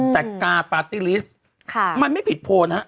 แต่กาปาร์ตี้ลิสต์มันไม่ผิดโพลนะฮะ